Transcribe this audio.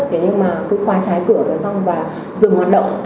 thế nhưng mà cứ khóa trái cửa vào xong và dừng hoạt động